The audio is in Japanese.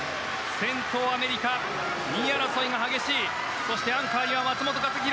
先頭アメリカ、２位争いが激しいそしてアンカーには松元克央。